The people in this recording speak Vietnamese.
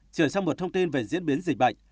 chuyển sang một thông tin về diễn biến dịch bệnh